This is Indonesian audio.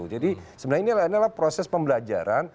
jadi sebenarnya ini adalah proses pembelajaran